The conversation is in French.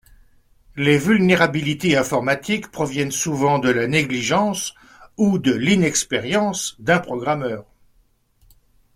Les vulnérabilités informatiques proviennent souvent de la négligence ou de l'inexpérience d'un programmeur.